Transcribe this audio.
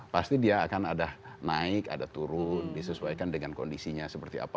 pasti dia akan ada naik ada turun disesuaikan dengan kondisinya seperti apa